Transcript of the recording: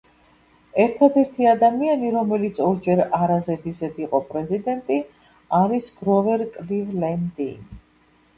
ერთადერთი ადამიანი, რომელიც ორჯერ არა ზედიზედ იყო პრეზიდენტი არის გროვერ კლივლენდი.